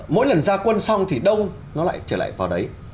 mỗi lần ra quân xong thì đâu nó lại trở lại vào đấy